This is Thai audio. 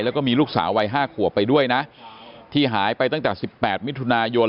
แล้วก็มีลูกสาววัย๕ขวบไปด้วยนะที่หายไปตั้งแต่๑๘มิถุนายน